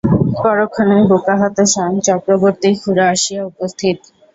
পরক্ষণেই হুঁকা হাতে স্বয়ং চক্রবর্তী-খুড়া আসিয়া উপস্থিত।